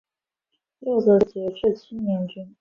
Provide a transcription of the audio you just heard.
幼子是杰志青年军。